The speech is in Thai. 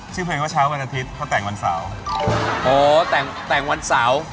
เพลงเขาเช้าวันอาทิตย์เขาแต่งวันเสาร์โอ้แต่งแต่งวันเสาร์